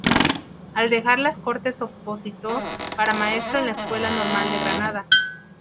Al dejar las Cortes opositó para maestro en la Escuela Normal de Granada.